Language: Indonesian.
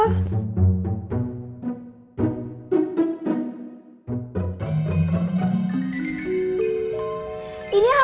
tidak ada yang bisa diberikan